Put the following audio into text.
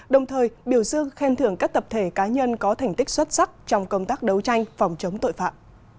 đồng thời biểu dương khen thưởng các tập thể cá nhân có thành tích xuất sắc trong công tác đấu tranh phòng chống tội phạm